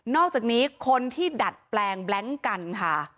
อกจากนี้คนที่ดัดแปลงแบล็งกันค่ะ